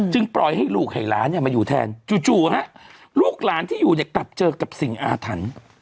จึงปล่อยให้ลูกเห็นล้านมาอยู่แทนจู่ลูกหลานที่อยู่กลับเจอกับสิ่งอาถรรพ์